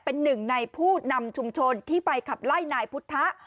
เป็นหนึ่งในผู้นำชุมชนที่ไปขับไล่นายพุทธะ